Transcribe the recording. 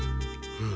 うん？